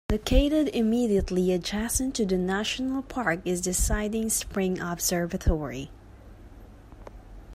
Located immediately adjacent to the national park is the Siding Spring Observatory.